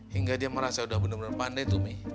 hingga dia merasa udah bener bener pandai tuh mi